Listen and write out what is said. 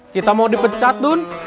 kita mau dipecat dun